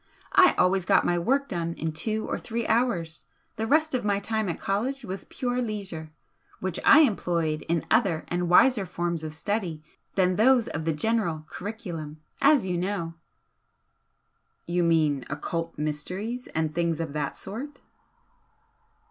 I always got my work done in two or three hours the rest of my time at college was pure leisure, which I employed in other and wiser forms of study than those of the general curriculum as you know." "You mean occult mysteries and things of that sort?"